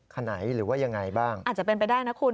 คันไหนหรือว่ายังไงบ้างอาจจะเป็นไปได้นะคุณ